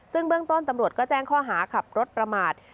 ซึ่งเบื้องต้นตำรวจก็แจ้งข้อหาขับรถประมาท